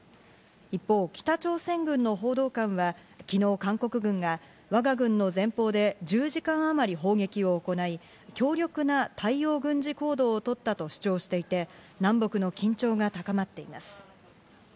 一方、北朝鮮軍の報道官は昨日、韓国軍が我が軍の前方で１０時間あまり砲撃を行い、強力な対応軍事行動をとったと主張していて、南北の緊張が高まっています。